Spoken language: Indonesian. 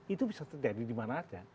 itu bisa terjadi di mana aja